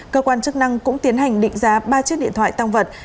cơ quan chức năng cũng tiến hành định giá ba chiếc điện thoại tăng vật